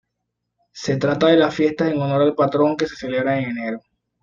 Se trata de las fiestas en honor al patrón que se celebran en enero.